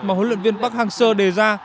mà huấn luyện viên park hang seo đề ra